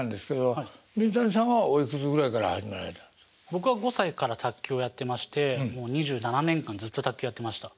僕は５歳から卓球をやってましてもう２７年間ずっと卓球やってました。